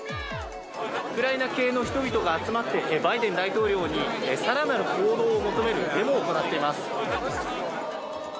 ウクライナ系の人々が集まって、バイデン大統領にさらなる行動を求めるデモを行っています。